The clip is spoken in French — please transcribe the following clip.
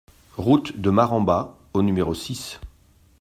Route de Marambat au numéro six